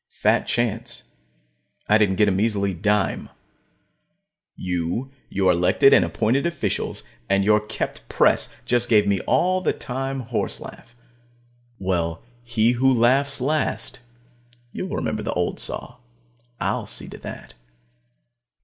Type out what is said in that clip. Fat chance I didn't get a measly dime. You, your elected and appointed officials, and your kept press just gave me the all time horse laugh. Well, he who laughs last you'll remember the old saw; I'll see to that.